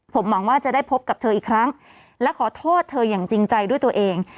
ผมหวังว่าจะได้พบกับเธออีกครั้งและขอโทษเธออย่างจริงใจด้วยตัวเอง